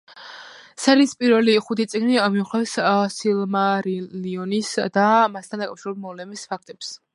სერიის პირველი ხუთი წიგნი მიმოიხილავს „სილმარილიონის“ და მასთან დაკავშირებული მოვლენების ფაქტებს.